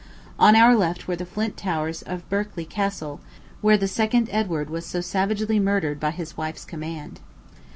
On our left were the flint towers of Berkeley Castle, where the second Edward was so savagely murdered by his wife's command.